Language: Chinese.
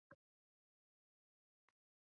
让人心里留下恐惧的阴影